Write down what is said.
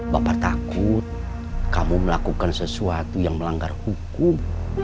bapak takut kamu melakukan sesuatu yang melanggar hukum